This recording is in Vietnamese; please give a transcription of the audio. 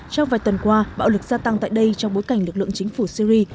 trong vài tuần qua bạo lực gia tăng tại đây trong bối cảnh lực lượng chính phủ syri